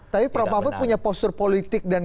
tapi prof mahfud punya postur politik dan